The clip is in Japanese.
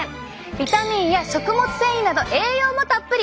ビタミンや食物繊維など栄養もたっぷり。